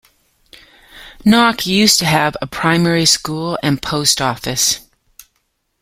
Knock used to have a primary school and post office.